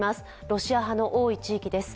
ロシア派の多い地域です。